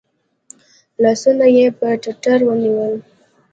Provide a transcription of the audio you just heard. لاسونه یې پر ټتر ونیول .